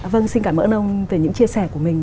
vâng xin cảm ơn ông về những chia sẻ của mình